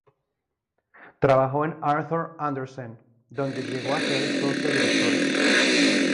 Trabajó en Arthur Andersen donde llegó a ser socio director.